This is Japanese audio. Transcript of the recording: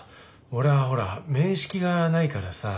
俺はほら面識がないからさ。